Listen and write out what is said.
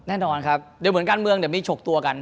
แน่นอนครับเดี๋ยวเหมือนการเมืองเดี๋ยวมีฉกตัวกัน